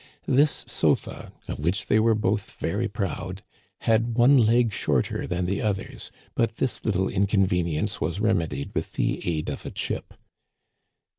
This sofa, of which they were both very proud, had one leg shorter than the others, but this little inconvenience was remedied with the aid of a chip.